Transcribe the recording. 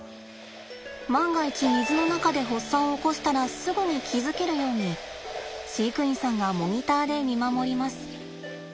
万が一水の中で発作を起こしたらすぐに気付けるように飼育員さんがモニターで見守ります。